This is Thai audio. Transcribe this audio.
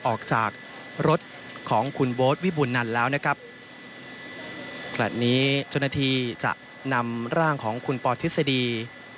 ออกจากรถของคุณโบ๊ทวิบูลนันแล้วนะครับขณะนี้เจ้าหน้าที่จะนำร่างของคุณปอทฤษฎี